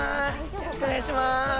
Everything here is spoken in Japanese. よろしくお願いします。